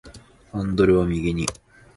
ハンドルを右に